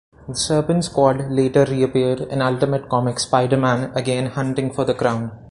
The Serpent Squad later reappeared in Ultimate Comics Spider-Man again hunting for the Crown.